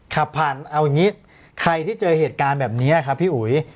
ขับผ่านเอาอย่างนี้ใครที่เจอเหตุการณ์แบบนี้ครับพี่อุ๋ย